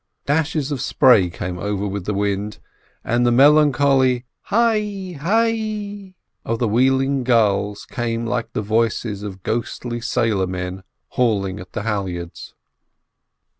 Dashes of spray came over with the wind, and the melancholy "Hi, hi!" of the wheeling gulls came like the voices of ghostly sailor men hauling at the halyards.